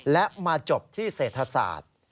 และมาจบที่เศรษฐศาสตร์